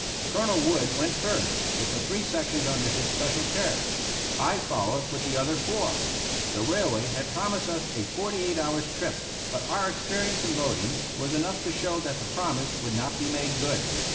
Colonel Wood went first, with the three sections under his special care. I fol lowed with the other four. The railway had promised us a forty eight hours' trip, but our ex perience in loading was enough to show that the 48 TO CUBA promise would not be made good.